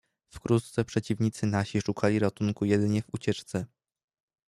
"Wkrótce przeciwnicy nasi szukali ratunku jedynie w ucieczce."